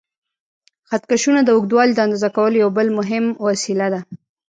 خط کشونه د اوږدوالي د اندازه کولو یو بل مهم وسیله ده.